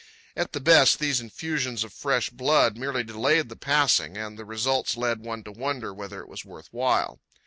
At the best, these infusions of fresh blood merely delayed the passing, and the results led one to wonder whether it was worth while.